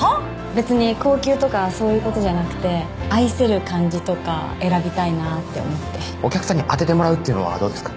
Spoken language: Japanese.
別に高級とかそういうことじゃなくて愛せる感じとか選びたいなって思ってお客さんに当ててもらうっていうのはどうですか？